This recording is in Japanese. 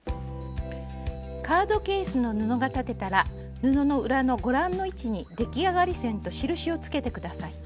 カードケースの布が裁てたら布の裏のご覧の位置に出来上がり線と印をつけて下さい。